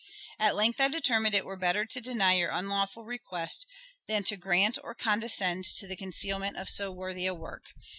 ..." At length I determined it were better to deny your unlawful request, than to grant or condescend to the concealment of so worthy a work.